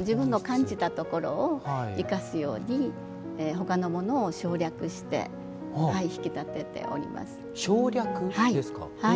自分の感じたところを生かすように他のものを省略して引き立てております。